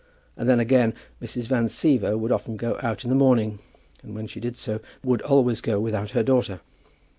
And then again, Mrs. Van Siever would often go out in the morning, and when she did so, would always go without her daughter.